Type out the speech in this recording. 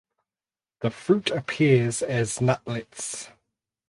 The fruit appears as nutlets.